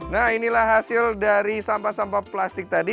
nah inilah hasil dari sampah sampah plastik tadi